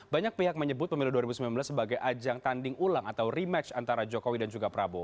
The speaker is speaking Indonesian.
banyak pihak menyebut pemilu dua ribu sembilan belas sebagai ajang tanding ulang atau rematch antara jokowi dan juga prabowo